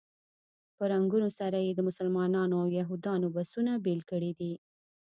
په رنګونو سره یې د مسلمانانو او یهودانو بسونه بېل کړي دي.